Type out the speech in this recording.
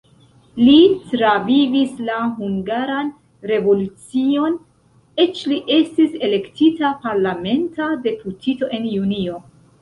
Li travivis la Hungaran revolucion, eĉ li estis elektita parlamenta deputito en junio.